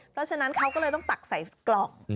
เพราะฉะนั้นเขาก็เลยต้องตักใส่กล่อง